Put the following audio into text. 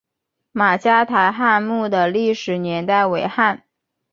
马家台汉墓的历史年代为汉。